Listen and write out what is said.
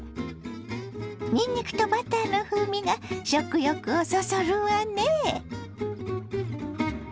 にんにくとバターの風味が食欲をそそるわね。